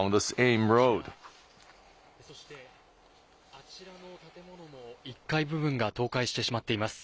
あちらの家屋１階部分が完全に倒壊してしまっています。